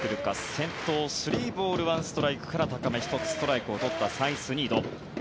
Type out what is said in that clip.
先頭、３ボール１ストライクから高め、１つストライクを取ったサイスニード。